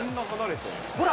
ほら。